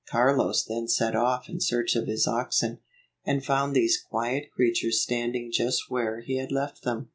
Carlos then set off in search of his oxen, and found these quiet creatures standing just where he had left them.